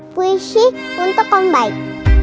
puisi untuk om baik